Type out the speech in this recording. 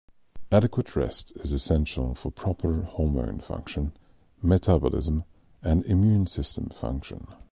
Adequate rest is essential for proper hormone function, metabolism, and immune system function.